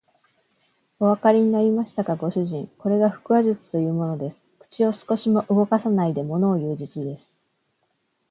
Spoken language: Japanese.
おわかりになりましたか、ご主人。これが腹話術というものです。口を少しも動かさないでものをいう術です。